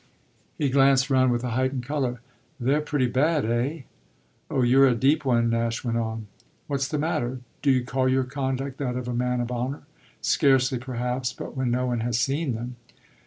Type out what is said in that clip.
He glanced round with a heightened colour. "They're pretty bad, eh?" "Oh you're a deep one," Nash went on. "What's the matter?" "Do you call your conduct that of a man of honour?" "Scarcely perhaps. But when no one has seen them